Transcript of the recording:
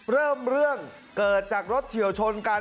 เริ่มเรื่องเกิดจากรถเฉียวชนกัน